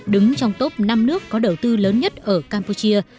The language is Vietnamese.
đứng trong top năm nước có đầu tư lớn nhất ở campuchia